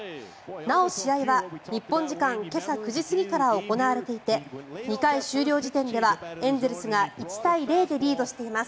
なお、試合は日本時間今朝９時過ぎから行われていて２回終了時点ではエンゼルスが１対０でリードしています。